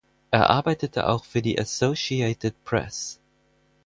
Er arbeitete auch für die Associated Press.